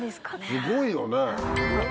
すごいよね。